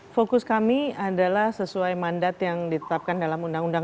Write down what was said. fokus kami adalah sesuai mandat yang ditetapkan dalam undang undang